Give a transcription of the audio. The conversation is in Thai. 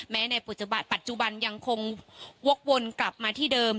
ในปัจจุบันยังคงวกวนกลับมาที่เดิม